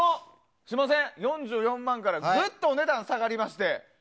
すみません、４４万円からぐっとお値段が下がりまして。